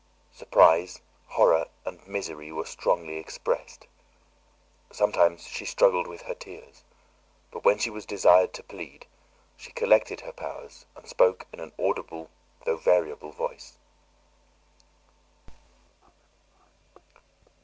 Surprise, horror, and misery were strongly expressed. Sometimes she struggled with her tears, but when she was desired to plead, she collected her powers and spoke in an audible although variable voice.